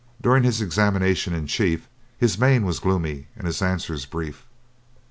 During his examination in chief his mien was gloomy and his answers brief.